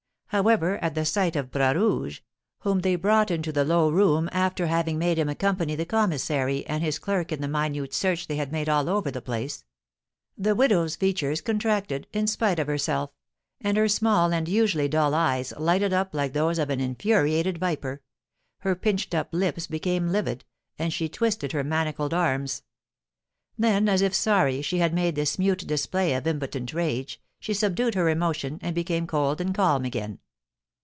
However, at the sight of Bras Rouge, whom they brought into the low room, after having made him accompany the commissary and his clerk in the minute search they had made all over the place, the widow's features contracted, in spite of herself, and her small and usually dull eyes lighted up like those of an infuriated viper; her pinched up lips became livid, and she twisted her manacled arms. Then, as if sorry she had made this mute display of impotent rage, she subdued her emotion, and became cold and calm again.